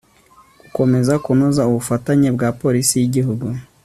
gukomeza kunoza ubufatanye bwa polisi y'igihugu